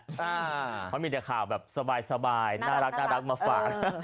เขามีแต่ข่าวแบบสบายน่ารักมาฝาก